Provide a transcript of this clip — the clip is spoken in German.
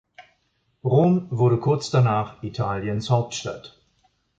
Rom wurde kurz danach Italiens Hauptstadt.